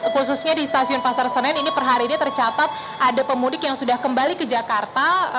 khususnya di stasiun pasar senen ini per hari ini tercatat ada pemudik yang sudah kembali ke jakarta